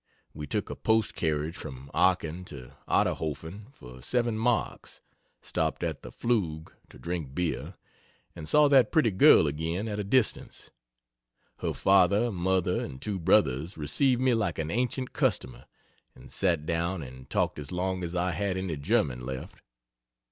We took a post carriage from Aachen to Otterhofen for 7 marks stopped at the "Pflug" to drink beer, and saw that pretty girl again at a distance. Her father, mother, and two brothers received me like an ancient customer and sat down and talked as long as I had any German left.